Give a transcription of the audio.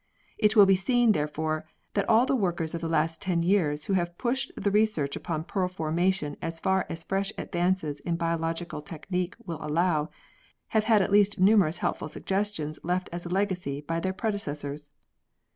It will be seen, therefore, that all the workers of the last ten years who have pushed the research upon pearl formation as far as fresh advances in biological technique would allow, have had at least numerous helpful suggestions left as a legacy by their predecessors.